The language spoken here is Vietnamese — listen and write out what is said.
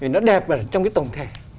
nó đẹp trong cái tổng thể